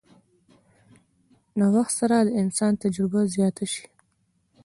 د وخت سره د انسان تجربه زياته شي